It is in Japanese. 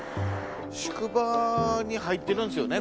宿場に入ってるんですよね？